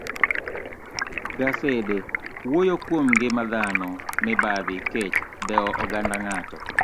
gasede wuoyo kuom ngima dhano, mibadhi, kech, dewo oganda ng'ato,